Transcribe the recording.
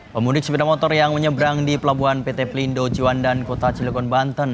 pemudik sepeda motor yang menyeberang di pelabuhan pt pelindo ciwandan kota cilegon banten